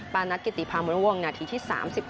ปานัทกิติพามณวงนาทีที่๓๑